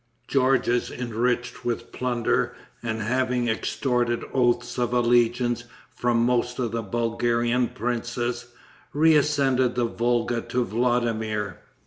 Georges enriched with plunder and having extorted oaths of allegiance from most of the Bulgarian princes, reascended the Volga to Vladimir.